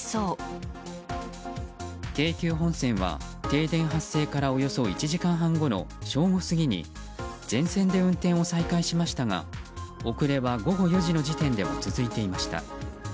京急本線は停電発生からおよそ１時間半後の正午過ぎに全線で運転を再開しましたが遅れは午後４時の時点でも続いていました。